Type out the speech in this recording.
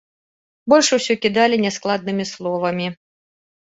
Больш усё кідалі няскладнымі словамі.